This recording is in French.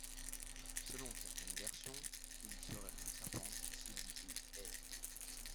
Selon certaines versions, il serait le serpent qui séduisit Ève.